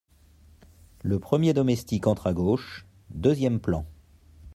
Le premier domestique entre à gauche, deuxième plan.